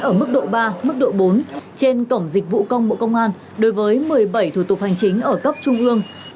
ở mức độ ba mức độ bốn trên cổng dịch vụ công bộ công an đối với một mươi bảy thủ tục hành chính ở cấp trung ương